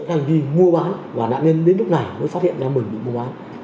thành lập vì mua bán và nạn nhân đến lúc này mới phát hiện ra mình bị mua bán